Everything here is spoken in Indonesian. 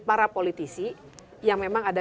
para politisi yang memang ada